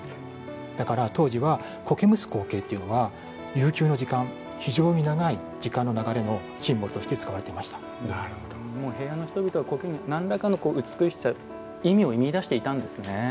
だから、当時は苔むす光景というのは悠久の時間非常に長い時間の流れのシンボルとして平安の人々は苔に何らかの美しさ意味を見いだしていたんですね。